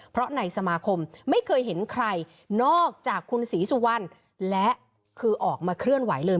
เพราะในสมาคมไม่เคยเห็นใครนอกจากคุณศรีสุวรรณและคือออกมาเคลื่อนไหวเลย